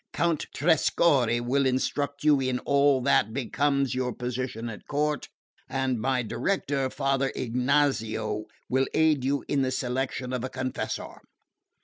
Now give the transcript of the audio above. Count Trescorre will instruct you in all that becomes your position at court, and my director, Father Ignazio, will aid you in the selection of a confessor.